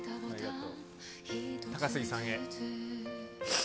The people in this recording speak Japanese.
高杉さんへ。